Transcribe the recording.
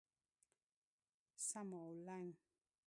څماولنګ